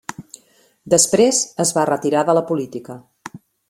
Després es va retirar de la política.